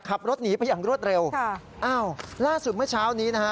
ขับรถหนีไปอย่างรวดเร็วค่ะอ้าวล่าสุดเมื่อเช้านี้นะฮะ